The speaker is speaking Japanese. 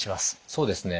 そうですね。